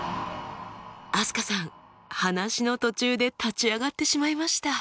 飛鳥さん話の途中で立ち上がってしまいました。